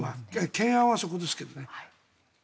懸案はそこですけどね。